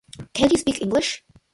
Can't you speak English?